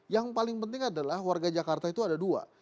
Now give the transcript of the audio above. yang paling penting adalah warga jakarta itu ada dua